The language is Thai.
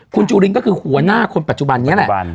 คุณจุลินก็คือหัวหน้าคนปัจจุบันนี้แหละ